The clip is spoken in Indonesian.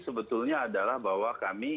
sebetulnya adalah bahwa kami